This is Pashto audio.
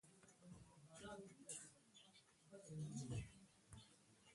د وروستیو دریوو هېوادونو اقتصادي هوساینه مهمه ده.